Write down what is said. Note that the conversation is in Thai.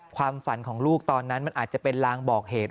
ความฝันของลูกตอนนั้นมันอาจจะเป็นลางบอกเหตุ